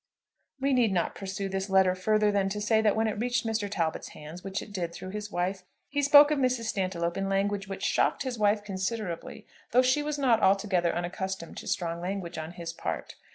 We need not pursue this letter further than to say that when it reached Mr. Talbot's hands, which it did through his wife, he spoke of Mrs. Stantiloup in language which shocked his wife considerably, though she was not altogether unaccustomed to strong language on his part.